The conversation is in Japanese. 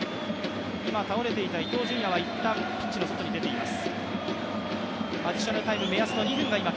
今、倒れていた伊東純也は一旦ピッチの外に出ています。